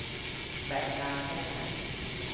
แบตนานแค่ไหน ?